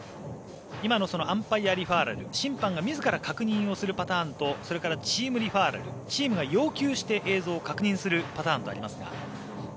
今のアンパイアリファーラル審判が自ら確認をするパターンとそれからチームリファーラルチームが要求して映像を確認するパターンとありますが。